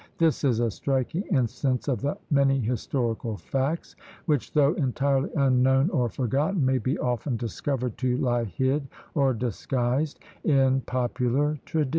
This is a striking instance of the many historical facts which, though entirely unknown or forgotten, may be often discovered to lie hid, or disguised, in popular traditions.